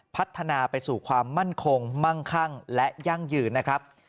พัฒนาไปสู่ความมั่นคงมั่งคั่งและยั่งยืนนะครับ